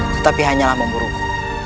tetapi hanyalah memburuku